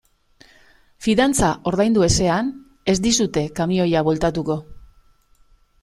Fidantza ordaindu ezean ez dizute kamioia bueltatuko.